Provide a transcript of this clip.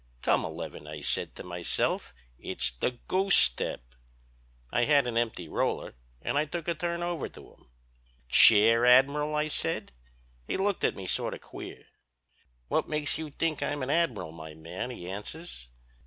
"Come eleven!" I said to myself. "It's the goosestep!" I had an empty roller, and I took a turn over to him.' "'"Chair, Admiral?" I said. "'He looked at me sort of queer. "'"What makes you think I'm an admiral, my man?" he answers.